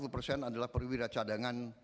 lima puluh persen adalah perwira cadangan